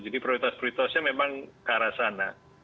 jadi prioritas prioritasnya memang ke arah sana